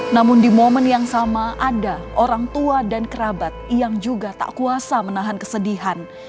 namun di momen yang sama ada orang tua dan kerabat yang juga tak kuasa menahan kesedihan